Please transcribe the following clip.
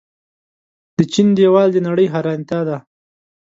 د چین دیوال د نړۍ حیرانتیا ده.